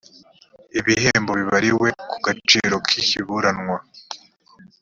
ibihembo bibariwe ku gaciro k ikiburanwa